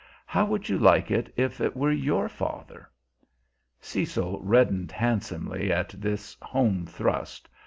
How would you like it if it were your father?" Cecil reddened handsomely at this home thrust.